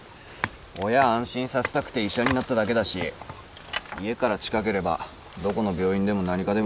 親安心させたくて医者になっただけだし家から近ければどこの病院でも何科でもいいの。